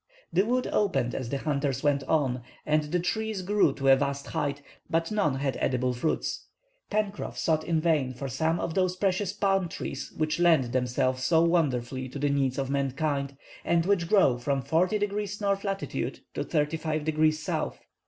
The wood opened as the hunters went on, and the trees grew to a vast height, but none had edible fruits. Pencroff sought in vain for some of those precious palm trees, which lend themselves so wonderfully to the needs of mankind, and which grow from 40° north latitude to 35° south.